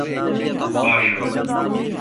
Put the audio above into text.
Haşa…